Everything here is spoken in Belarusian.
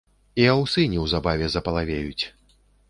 І аўсы неўзабаве запалавеюць!